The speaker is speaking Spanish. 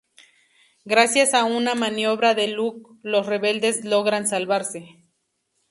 Gracias a una maniobra de Luke los rebeldes logran salvarse.